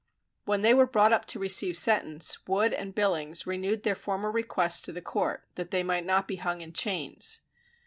When they were brought up to receive sentence, Wood and Billings renewed their former requests to the Court, that they might not be hung in chains.